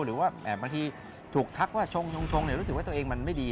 หรือว่าบางทีถูกทักว่าชงรู้สึกว่าตัวเองมันไม่ดี